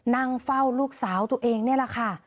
นั่งเฝ้าลูกสาวตัวเองนี่แหละค่ะ